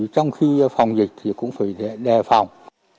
trong khi phòng dịch thì cũng phải đề phòng